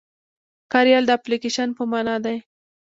کاریال د اپليکيشن په مانا دی.